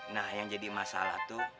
nah yang jadi masalah tuh